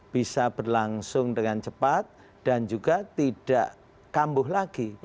bisa berlangsung dengan cepat dan juga tidak kambuh lagi